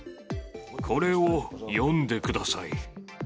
これを読んでください。